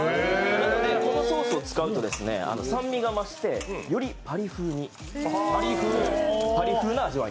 なのでこのソースを使うと酸味が増してよりパリ風な味わい。